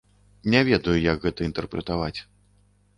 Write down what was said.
Не ведаю, як гэта інтэрпрэтаваць.